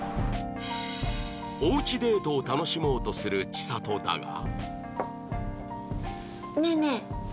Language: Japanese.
おうちデートを楽しもうとするチサトだが